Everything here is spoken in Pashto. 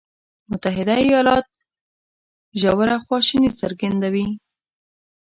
متحده ایالات ژوره خواشیني څرګندوي.